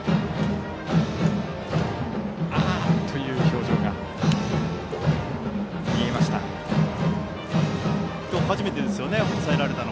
ああという表情が見えました。